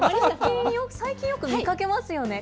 最近よく見かけますよね。